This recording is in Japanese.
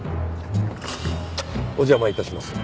お邪魔致します。